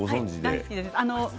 大好きです。